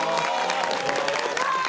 すごい！